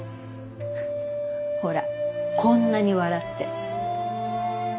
ほらこんなに笑って。